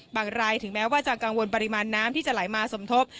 รายถึงแม้ว่าจะกังวลปริมาณน้ำที่จะไหลมาสมทบ